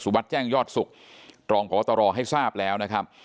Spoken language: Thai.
สุบัติแจ้งยอดสุขตรองพวัตรรอให้ทราบแล้ว